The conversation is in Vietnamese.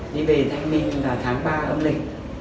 đi về thanh minh là tháng ba âm lịch